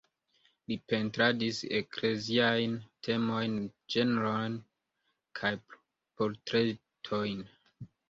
Li pentradis ekleziajn temojn, ĝenrojn kaj portretojn.